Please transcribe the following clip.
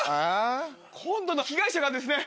今度の被害者がですね